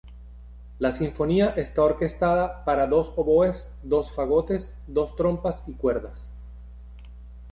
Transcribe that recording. La sinfonía está orquestada para dos oboes, dos fagotes, dos trompas y cuerdas.